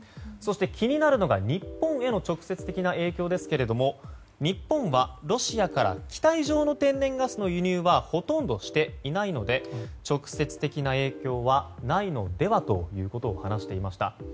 そして、気になるのが日本への直接的な影響ですが日本はロシアから気体状の天然ガスの輸入はほとんどしていないので直接的な影響はないのではということを話していました。